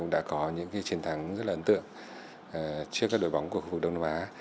đã chiến thắng rất là ấn tượng trước các đội bóng của khu vực đông á